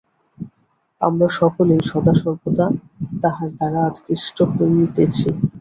আমরা সকলেই সদাসর্বদা তাঁহার দ্বারা আকৃষ্ট হইতেছি।